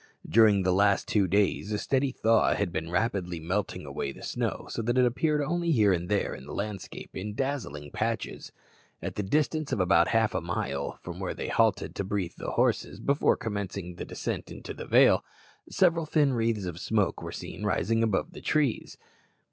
During the last two days a steady thaw had been rapidly melting away the snow, so that it appeared only here and there in the landscape in dazzling patches. At the distance of about half a mile from where they halted to breathe the horses before commencing the descent into this vale, several thin wreaths of smoke were seen rising above the trees.